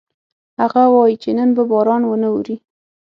هغه وایي چې نن به باران ونه اوري